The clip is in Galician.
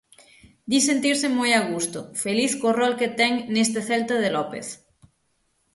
Di sentirse moi a gusto, feliz co rol que ten neste Celta de López.